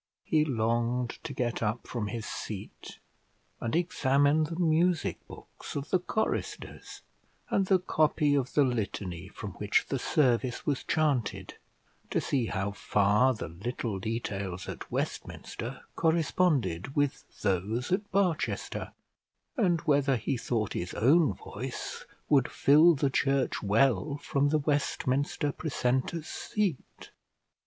He longed to get up from his seat, and examine the music books of the choristers, and the copy of the litany from which the service was chanted, to see how far the little details at Westminster corresponded with those at Barchester, and whether he thought his own voice would fill the church well from the Westminster precentor's seat.